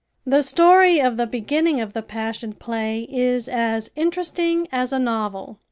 The story of the beginning of the Passion Play is as interesting as a novel.